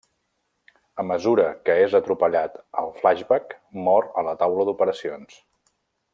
A mesura que és atropellat al flashback mor a la taula d'operacions.